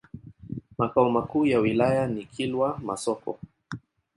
Makao makuu ya wilaya ni Kilwa Masoko.